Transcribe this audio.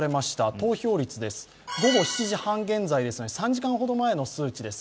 投票率です、午後７時半現在３時間ほど前の数字です。